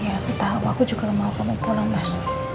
iya ketahuan aku juga gak mau kamu pulang mas